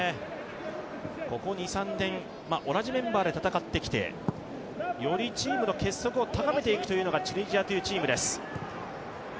ここ２３年、同じメンバーで戦ってきて、よりチームの結束を高めていくというのがチュニジアというチームです。